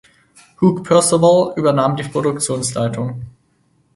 Hugh Perceval übernahm die Produktionsleitung.